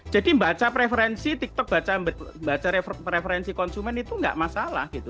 jadi membaca preferensi tiktok membaca preferensi konsumen itu enggak masalah gitu